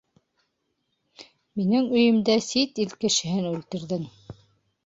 Минең өйөмдә сит ил кешеһен үлтерҙең!